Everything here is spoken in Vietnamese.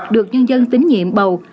được nhân dân tín nhiệm bầu